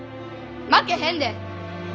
負けへんで！